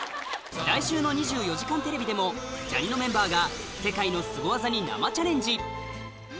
来週の『２４時間テレビ』でもジャにのメンバーが世界のスゴ技に生チャレンジ